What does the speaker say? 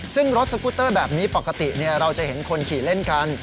ซึ่งรถสกุตเตอร์แบบนี้ปกติเราจะเห็นคนขี่เล่นกัน